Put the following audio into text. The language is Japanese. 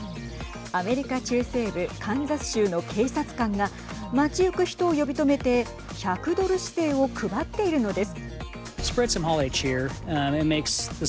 アメリカ中西部カンザス州の警察官が街行く人を呼び止めて１００ドル紙幣を配っているのです。